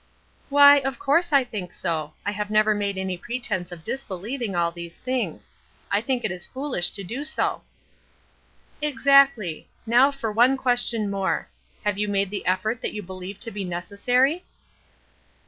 "Why, of course I think so. I have never made any pretense of disbelieving all these things. I think it is foolish to do so." "Exactly. Now for one question more: Have you made the effort that you believe to be necessary?"